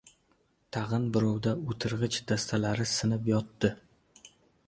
Tag‘in birovida o‘tirg‘ich dastalari sinib yotdi.